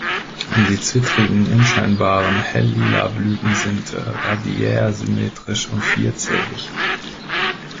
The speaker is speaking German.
Die zwittrigen, unscheinbaren, hell-lila Blüten sind radiärsymmetrisch und vierzählig.